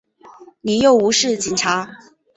你又唔系警察！